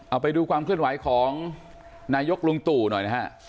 เอาไปดูความเคลื่อนไหวของนายกลุงตู่หน่อยนะฮะ